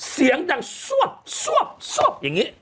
เสียงดังสวบสวบสวบอย่างนี้